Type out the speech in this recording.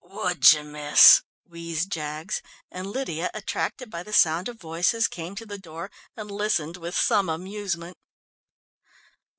"Would you, miss?" wheezed Jaggs, and Lydia, attracted by the sound of voices, came to the door and listened with some amusement.